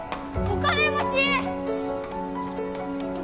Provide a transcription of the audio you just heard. お金持ち！